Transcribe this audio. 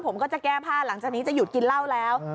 ผมก็จะแก้ผ้าหลังจากนี้จะหยุดกินเหล้าแล้ว